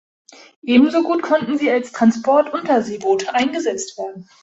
Ebenso gut konnten sie als Transport-Unterseeboote eingesetzt werden.